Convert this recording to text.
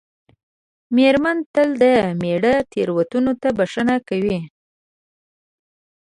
مېرمنه تل د مېړه تېروتنو ته بښنه کوي.